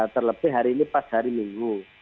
terlebih hari ini pas hari minggu